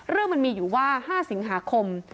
เรื่องมันมีอยู่ว่า๕สิงหาคม